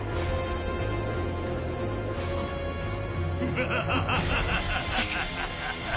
フハハハハ！